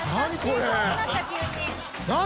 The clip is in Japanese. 何？